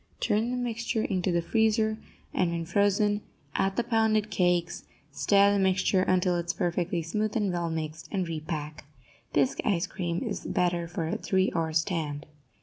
Turn the mixture into the freezer, and, when frozen, add the pounded cakes; stir the mixture until it is perfectly smooth and well mixed, and repack. Bisque ice cream is better for a three hour stand.